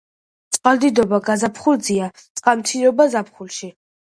წყალდიდობა გაზაფხულზეა, წყალმცირობა ზაფხულში.